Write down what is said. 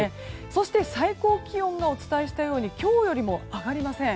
そして、最高気温がお伝えしたように今日よりも上がりません。